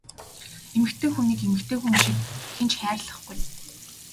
Эмэгтэй хүнийг эмэгтэй хүн шиг хэн ч хайрлахгүй!